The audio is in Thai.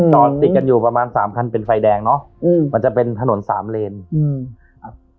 จอดติดกันอยู่ประมาณสามคันเป็นไฟแดงเนอะอืมมันจะเป็นถนนสามเลนอืมอ่า